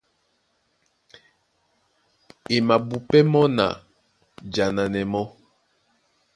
E mabupɛ́ mɔ́ na jananɛ mɔ́,